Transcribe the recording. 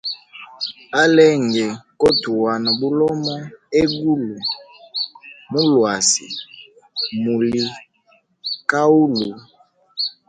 Alenge kohutuwana bulomo egulu, mulwasi muli kahulu.